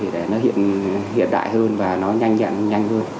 để nó hiện đại hơn và nó nhanh nhẹn nhanh hơn